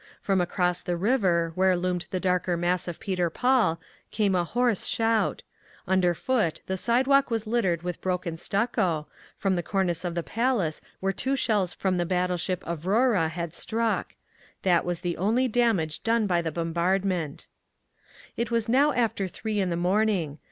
From across the river, where loomed the darker mass of Peter Paul, came a hoarse shout…. Underfoot the sidewalk was littered with broken stucco, from the cornice of the Palace where two shells from the battleship Avrora had struck; that was the only damage done by the bombardment…. It was now after three in the morning.